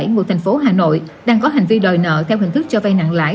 ngụ thành phố hà nội đang có hành vi đòi nợ theo hình thức cho vay nặng lãi